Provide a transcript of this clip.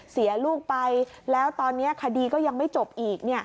เสียลูกไปแล้วตอนนี้คดีก็ยังไม่จบอีก